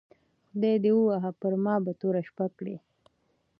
خدای دي ووهه پر ما به توره شپه کړې